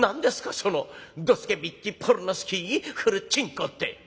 そのドスケビッチ・ポルノスキー・フルチンコって」。